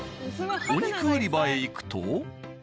お肉売り場へ行くと。